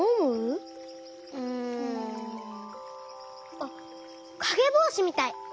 あっかげぼうしみたい！